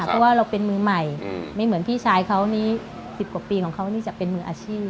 เพราะว่าเราเป็นมือใหม่ไม่เหมือนพี่ชายเขานี้๑๐กว่าปีของเขานี่จะเป็นมืออาชีพ